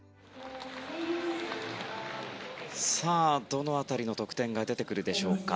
どの辺りの得点が出てくるでしょうか。